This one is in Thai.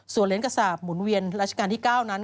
ส่วนเหรียญกระสาปหมุนเวียนราชการที่๙นั้น